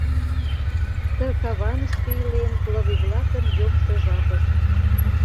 Ты каваныште илен Лыве-влакын йомшо жапышт.